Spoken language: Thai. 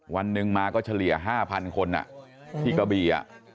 วันหนึ่งมาก็เฉลี่ย๕๐๐คนที่กระบี่